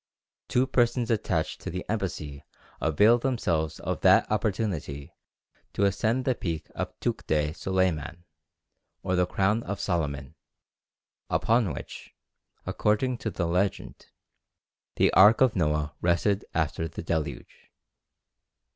Two persons attached to the embassy availed themselves of that opportunity to ascend the peak of Tukhte Soleiman, or the Crown of Solomon, upon which, according to the legend, the ark of Noah rested after the deluge.